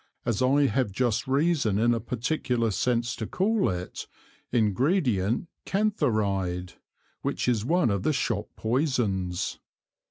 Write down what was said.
(As I have just reason in a particular Sense to call it) Ingredient Cantharide, which is one of the Shop Poisons.